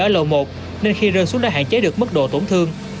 ở lầu một nên khi rơi xuống đã hạn chế được mức độ tổn thương